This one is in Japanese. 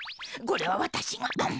これはわたしが。